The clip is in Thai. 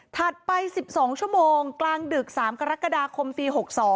ไป๑๒ชั่วโมงกลางดึก๓กรกฎาคมปี๖๒